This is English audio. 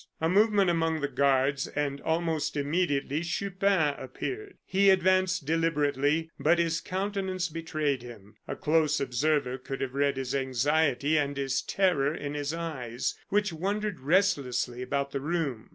A movement among the guards, and almost immediately Chupin appeared. He advanced deliberately, but his countenance betrayed him. A close observer could have read his anxiety and his terror in his eyes, which wandered restlessly about the room.